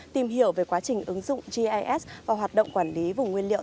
tìm hiểu về quá trình ứng dụng gis và hoạt động quản lý vùng nguyên liệu